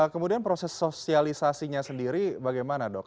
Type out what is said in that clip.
kemudian proses sosialisasinya sendiri bagaimana dok